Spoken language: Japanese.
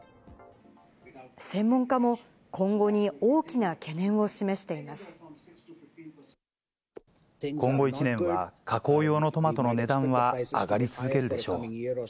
専門家も、今後１年は、加工用のトマトの値段は上がり続けるでしょう。